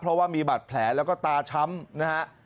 เพราะว่ามีบาดแผลแล้วก็ตาช้ำนะฮะ